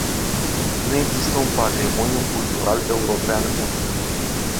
Nu există un "patrimoniu cultural european” unic.